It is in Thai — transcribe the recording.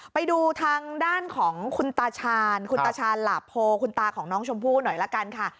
ไปดูทางด้านของคุณตาชาญคุณตาชาญหลาโพคุณตาของน้องชมพู่หน่อยละกันค่ะ